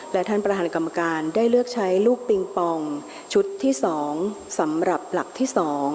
และท่านประธานกรรมการได้เลือกใช้ลูกปิงปองชุดที่๒สำหรับหลักที่๒